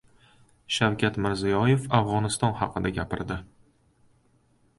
Shavkat Mirziyoyev Afg‘oniston haqida gapirdi